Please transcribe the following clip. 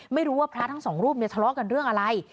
ไม่รู้ว่าพระทั้งสองรูปเนี่ยทะเลาะกันเรื่องอะไร